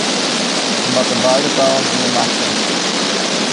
Je moatte beide talen yn 'e macht ha.